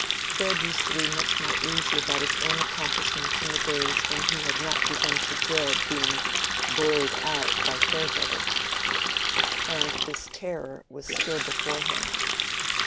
Fred used to be much more easy about his own accomplishments in the days when he had not begun to dread being "bowled out by Farebrother," and this terror was still before him.